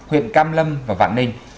viện cam lâm và vạn ninh